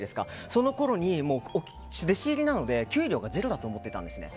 そのころに弟子入りなので給料がゼロだと思ってたんですね。